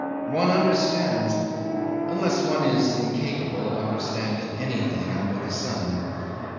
One understands unless one is incapable of understanding anything under the sun.